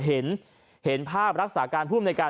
เห็นภาพรักษาการผู้อำนวยการ